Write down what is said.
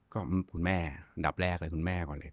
ก็คุณแม่อันดับแรกเลยคุณแม่ก่อนเลย